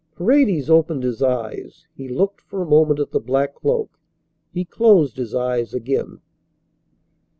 Paredes opened his eyes. He looked for a moment at the black cloak. He closed his eyes again.